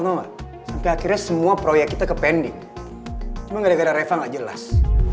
noah sampai akhirnya semua proyek kita ke pending cuma gara gara reva enggak jelas